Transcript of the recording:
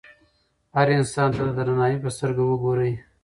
هر انسان ته د درناوي په سترګه وګورئ.